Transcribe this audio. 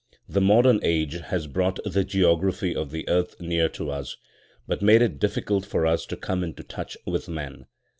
The modern age has brought the geography of the earth near to us, but made it difficult for us to come into touch with man.